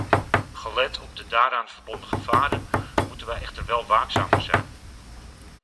Gelet op de daaraan verbonden gevaren moeten wij echter wel waakzamer zijn.